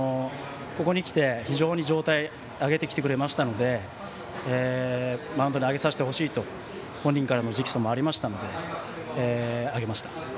ここのきて、非常に状態上げてきてくれましたのでマウンドに上げさせてほしいと本人からの直訴もありましたので上げました。